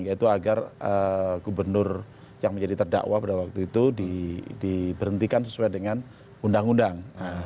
yaitu agar gubernur yang menjadi terdakwa pada waktu itu diberhentikan sesuai dengan undang undang